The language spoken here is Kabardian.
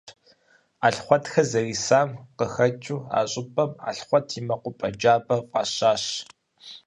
Алгъуэтхэ зэрисам къыхэкӏыу, а щӏыпӏэм «Алгъуэт и мэкъупӏэ джабэ» фӏащащ.